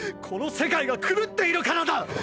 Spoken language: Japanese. この世界が狂っているからだ！！